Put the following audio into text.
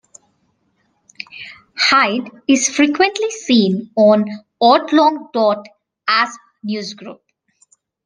Hyde is frequently seen on the alt.lang dot asm newsgroup.